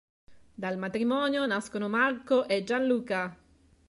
Dal matrimonio nascono Marco e Gianluca.